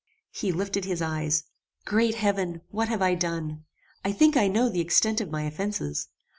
He lifted his eyes "Great heaven! what have I done? I think I know the extent of my offences.